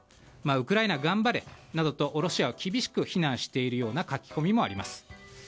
ウクライナ頑張れなどとロシアを厳しく非難しているような書き込みもあります。